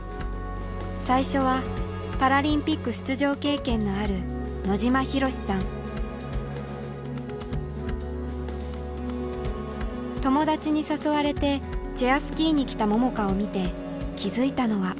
最初はパラリンピック出場経験のある友達に誘われてチェアスキーに来た桃佳を見て気付いたのは。